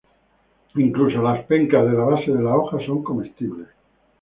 Incluso las pencas de la base de la hoja son comestibles.